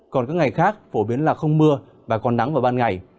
còn các ngày khác phổ biến là không mưa và còn nắng vào ban ngày